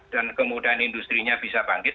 dan kemudahan industri